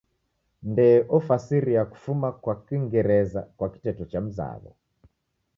Ndee ofasiria kufuma kwa kingereza kwa kiteto chamzaw'o.